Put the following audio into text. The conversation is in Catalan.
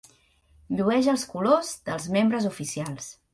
Llueix els colors dels membres oficials.